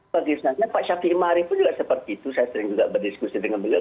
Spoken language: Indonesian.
bagi istilahnya pak syafiq imari pun juga seperti itu saya sering juga berdiskusi dengan beliau